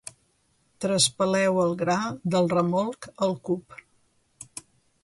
Traspaleu el gra del remolc al cup.